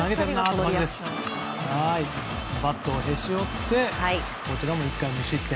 バットをへし折って１回無失点。